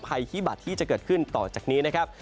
ภัยพิบัตรที่จะเกิดขึ้นต่อจากนี้นะครับ